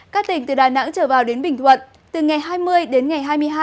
các tỉnh từ đà nẵng trở vào đến bình thuận từ ngày hai mươi đến ngày hai mươi hai